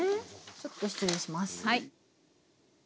ちょっと失礼します。